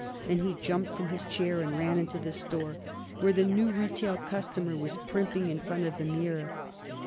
Then he jumped from his chair and ran into the store, where the new retail customer was primping in front of the mirror.